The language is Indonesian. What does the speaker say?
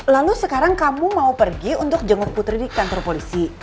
lalu sekarang kamu mau pergi untuk jenguk putri di kantor polisi